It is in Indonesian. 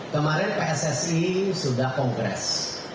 kemarin pssi sudah kongres